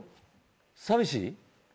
寂しい？